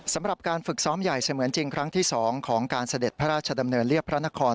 สำหรับการฝึกซ้อมใหญ่เสมือนจริงครั้งที่๒ของการเสด็จพระราชดำเนินเรียบพระนคร